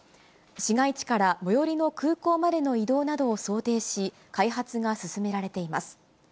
市街地から最寄りの空港までの移動などを想定し、開発が進められています。